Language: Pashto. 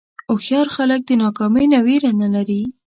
هوښیار خلک د ناکامۍ نه وېره نه لري.